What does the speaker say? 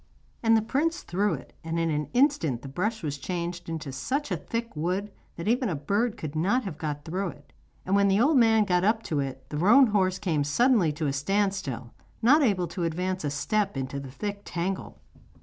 And the prince threw it, and in an instant the brush was changed into such a thick wood that even a bird could not have got through it, and when the old man got up to it the roan horse came suddenly to a stand still, not able to advance a step into the thick tangle.